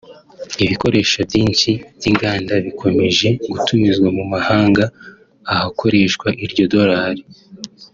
ibikoresho byinshi by’inganda bikomeje gutumizwa mu mahanga ahakoreshwa iryo dolari